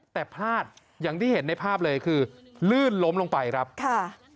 แต่พลาดอย่างที่เห็นในภาพเลยคือลื่นล้มลงไปครับค่ะ